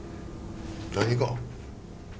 何が？